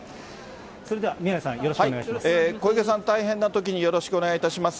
それでは宮根さん、よろしくお願いします。